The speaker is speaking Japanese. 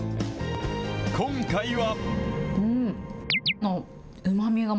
今回は。